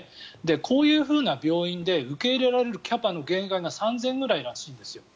こういう病院で受け入れられるキャパの限界が３０００ぐらいだそうですよ。